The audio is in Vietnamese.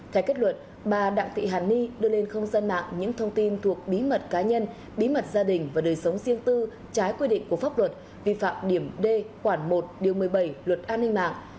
theo kết luận bà đặng thị hàn ni đưa lên không gian mạng những thông tin thuộc bí mật cá nhân bí mật gia đình và đời sống riêng tư trái quy định của pháp luật vi phạm điểm d khoản một điều một mươi bảy luật an ninh mạng